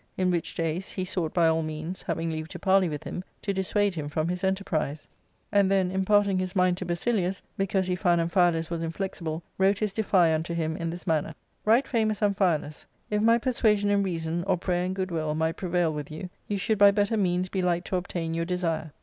In which days he sought by all means, having leave to parley with him, to dissuade him from his enterprise ; and then 298 ARCADIA.— Book IIL imparting his mind to Basilius, because he found Amphialus was inflexible, wrote his defy* unto him in this manner :—" Right famous Amphialus, if my persuasion in reason, or prayer in good will, might prevail with you, you should by better means be like to obtain your desire.